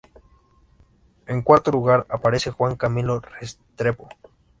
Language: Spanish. En cuarto lugar aparece Juan Camilo Restrepo.